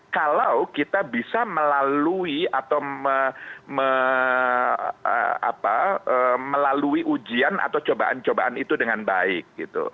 kalau kita bisa melalui atau melalui ujian atau cobaan cobaan itu dengan baik